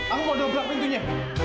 aku mau dobra pintunya